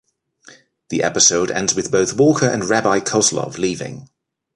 The episode ends with both Walker and Rabbi Koslov leaving.